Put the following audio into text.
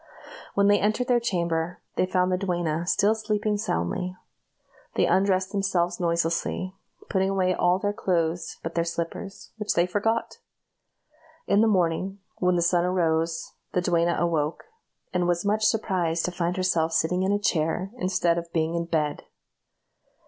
When they entered their chamber, they found the duenna still sleeping soundly. They undressed themselves noiselessly, putting away all their clothes but their slippers, which they forgot. In the morning, when the sun arose, the duenna awoke, and was much surprised to find herself sitting in a chair, instead of being in bed.